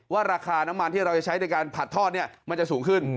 ว่าราคาน้ำมันที่เราจะใช้ในการผัดทอดเนี่ยมันจะสูงขึ้น